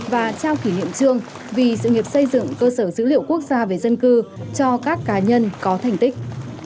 và trao kỷ niệm trương vì sự nghiệp xây dựng cơ sở dữ liệu quốc gia về dân cư cho các cá nhân có thành tích